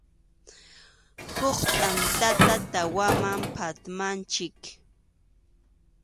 Huk tʼantata tawaman phatmanchik.